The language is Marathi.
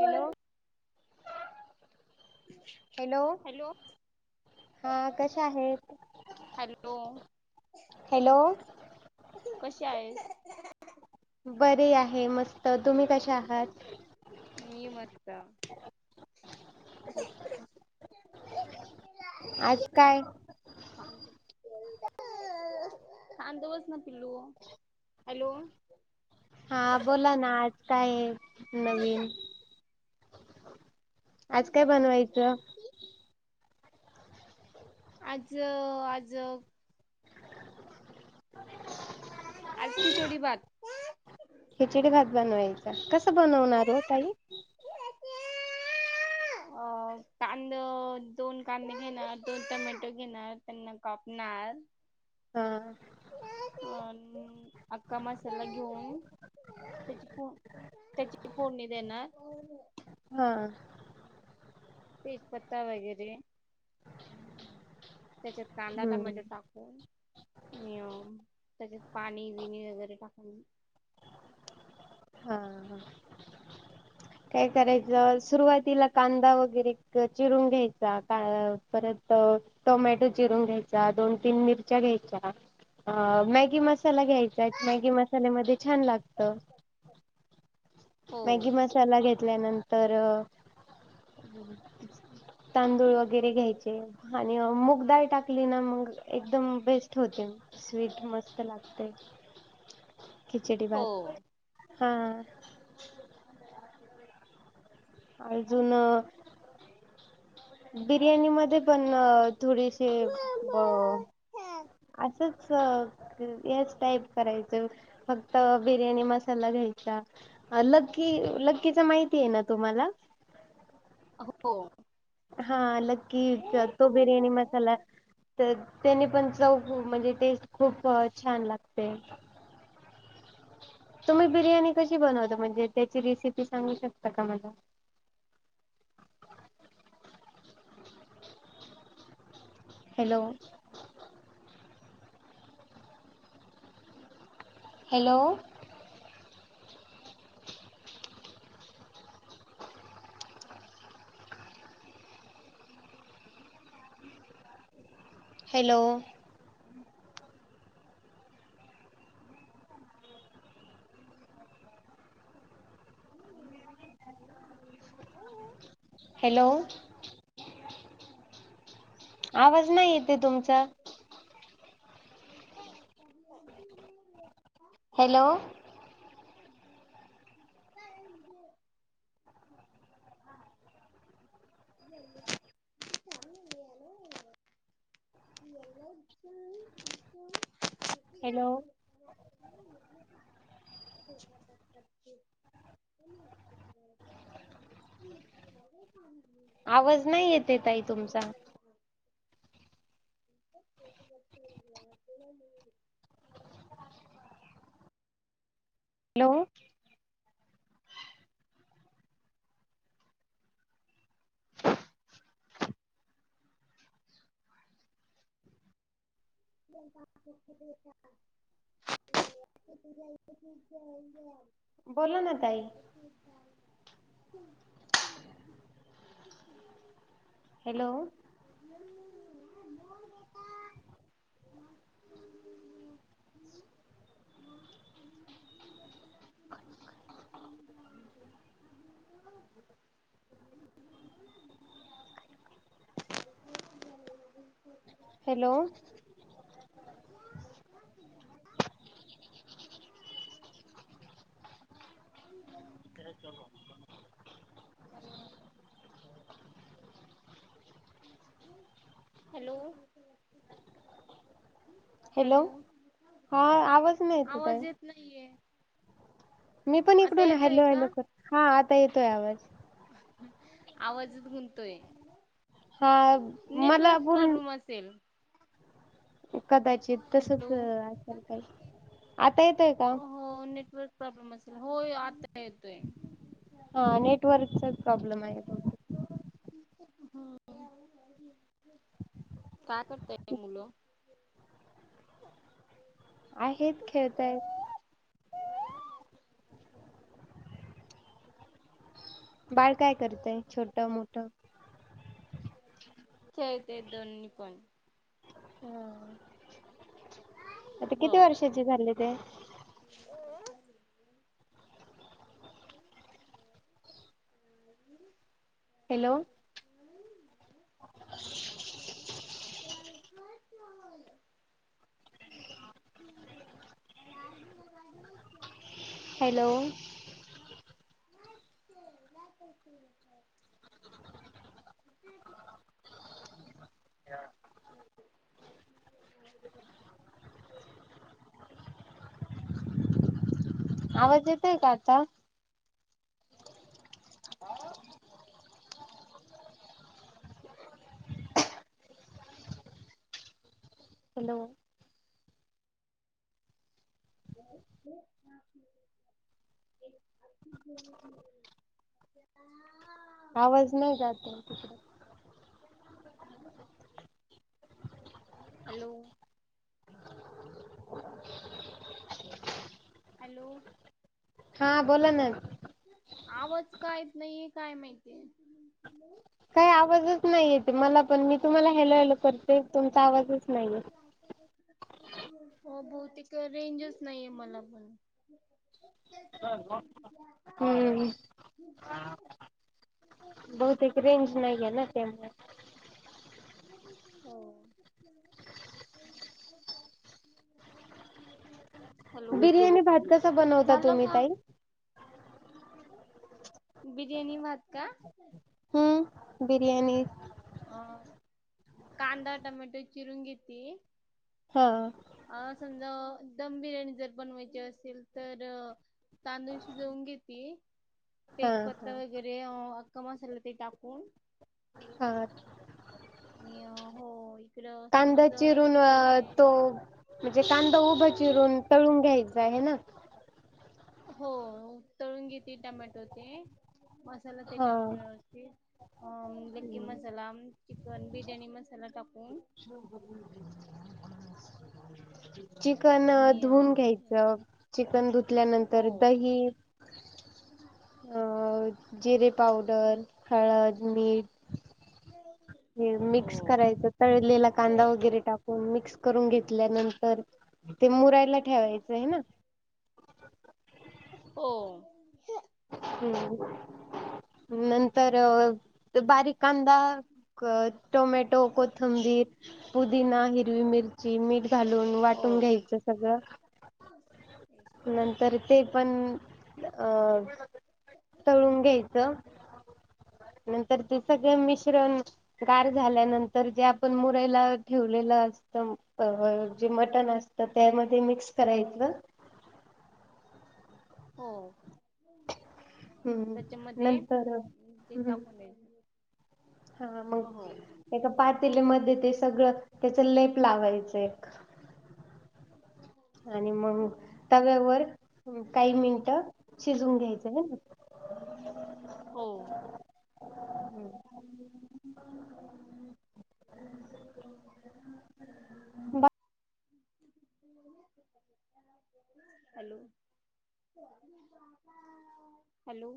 हॅलो. Hello hello. हा कशा आहेत? हॅलो. हॅलो कशी आहेस? बर आहे. मस्त. तुम्ही कशा आहात? मी मस्त. आज काय? [inaudible] हॅलो. हा बोला ना आज काय आहे नवीन? आज काय बनवायचं? आज आज आज खिचडी भात. खिचडी भात बनवायचा कसं बनवणार हो ताई? [inaudible] अ कांद दोन कांदे घेणार दोन टमॅटो घेणार त्यांना कापणार. हा अख्खा मसाला घेऊन. त्याची फोडणी देणार. हा तेजपत्ता वगैरे त्याच्यात कांदा हम्म टोमॅटो टाक. निम त्याच्यात पाणी विणी वगैरे टाकून. हा हा काय करायचं सुरुवातीला कांदा वगैरे चिरून घ्यायचा का परत टोमॅटो चिरून घ्यायचा दोन तीन मिरच्या घ्यायच्या अ मॅगी मसाला घ्यायचाय मॅगी मसाल्यामध्ये छान लागत. हो मॅगी मसाला घेतल्यानंतर तांदूळ वगैरे घ्यायचे. आणि मगदाय टाकली ना मग एकदम बेस्ट होते. स्वीट मस्त लागते. खिचडी हो बात हा. अजून बिर्याणी मध्ये पण थोडेसे अ असंच हेच टाईप करायचं. फक्त बिर्याणी मसाला घ्यायचा लकी लक्कीचा माहिती आहे ना? तुम्हाला? हो. [unintelligible] हा लकी तो बिर्याणी मसाला तर त्याने पण चव म्हणजे टेस्ट खूप छान लागते. तुम्ही बिर्याणी कशी बनवता म्हणजे त्याची रेसिपी सांगू शकता का मला? हॅलो. हॅलो. हॅलो. [inaudible] हॅलो आवाज नाही येते तुमचा? [inaudible] हॅलो. [inaudible] [unintelligible] [inaudible] [inaudible] जेवलात तुम्ही [inaudible] हॅलो. [unintelligible] जेवलात का तुम्ही. [unintelligible] [unintelligible] आवाज नाही येते ताई तुमचा. [unintelligible] हॅलो. [inaudible] [inaudible] बोला ना ताई. [inaudible] हॅलो. हॅलो. [unintelligible] हॅलो. हॅलो हा आवाज नाही ताई आवाज येत नाहीये. मी पण आता इकडून येतोय हॅलो हलो का कर हा आता येतोय आवाज. आवाजच गुंततोय हा मला नेटवर्क प्रॉब्लम पूर्ण तील कदाचित हॅलो. तसंच असेल काही आता येतय का? हो नेटवर्क प्रॉब्लेम असेल हो आता येतोय हा नेटवर्कचा प्रॉब्लेम आहे बहुतेक [unintelligible] का करताय मुलं आहेत खेळतायत. बाळ काय करतय छोट मोठं. खेळते दोन्ही पण. हा आता हो किती वर्षाचे झाले ते? [unintelligible] हॅलो. [unintelligible] हॅलो. [unintelligible] आवाज येतय का आता. हॅलो. [unintelligible] [unintelligible] आवाज नाय जात तुमच्या तिकडे. हॅलो. हॅलो. हा बोला ना आवाज कायत नाहीे काय माहितीय काही आवाजच नाहीय ते मला पण मी तुम्हाला हॅलो हॅलो करते तुमचा आवाजच नाहीये. हो बहूतेक रेंजच नाहीे मला. हम्म बहुतेक रेंज नाही आहेे ना त्याम हो हॅलो बिर्याणी भात कसा बनवता झालं तुम्ही का ताई? बिर्याणी भात का? हम्म बिर्याणी अ कांदा टमॅटो चिरून घेते हा आ समजा दम बिर्याणी जर बनवायची असेल तर तांदूळशी शिजवून घेती. हा तेजपत्ता हा वगैरे अख्खा मसाला ते टाकून हा छा आणि अ होय कांदा चिरून तो म्हणजे कांदा उभा चिरून तळून घ्यायचा आहे ना हो तळून घेते टमॅटो ते मसाला ते हा. टाकून अ लकी हम्म. मसाला चिकन बिर्याणी मसाला टाकून [inaudible] [inaudible] चिकन आणि धुवून घ्यायचं चिकन हो धुतल्यानंतर दही अ जिरे पावडर हळद मीठ मिक्स हो करायचं तळलेला कांदा वगैरे टाक मिक्स करून घेतल्यानंतर ते मुरायला ठेवायचं आहे ना ओ हम्म [inaudible] नंतर बारीक कांदा टोमॅटो कोथंबीर पुदिना हिरवी मिरची मीठ घालून हो वाटून घ्यायचं सगळं. नंतर ते पण अं पण तळून घ्यायचं नंतर ते सगळ मिश्रण गार झाल्यानंतर जे आपण मुरईला ठेवलेलं असत जे मटण असत तर त्यामध्ये मिक्स करायच हो हम्म त्याच्यामध्ये नंतर ते हम्म टाकून हा हो. मग एका पातेलीमध्ये ते सगळं त्याच लेप लावायचं एक आणि मग तव्यावर काही मिनिटं शिजून घ्यायचं. हो. ह हॅलो हो हॅलो.